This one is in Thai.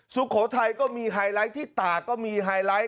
สุโขทัยก็มีไฮไลท์ที่ตากก็มีไฮไลท์